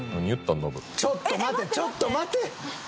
ちょっと待てちょっと待て！